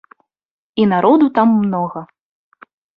І народу там многа.